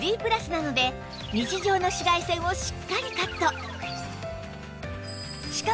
なので日常の紫外線をしっかりカット